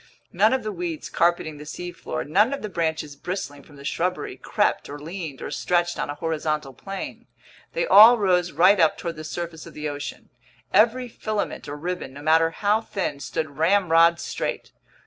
None of the weeds carpeting the seafloor, none of the branches bristling from the shrubbery, crept, or leaned, or stretched on a horizontal plane. They all rose right up toward the surface of the ocean. Every filament or ribbon, no matter how thin, stood ramrod straight.